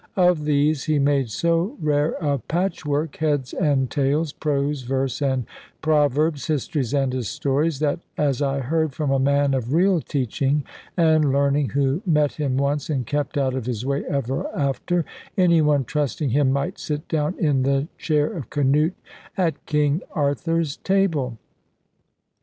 Of these he made so rare a patchwork, heads and tails, prose, verse, and proverbs, histories, and his stories, that (as I heard from a man of real teaching and learning who met him once and kept out of his way ever after) any one trusting him might sit down in the chair of Canute at King Arthur's table.